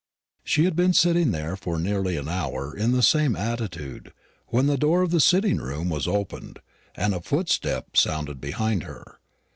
She had been sitting there for nearly an hour in the same attitude, when the door of the sitting room was opened, and a footstep sounded behind her.